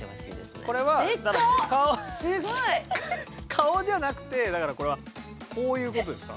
顔じゃなくてだからこれはこういうことですか？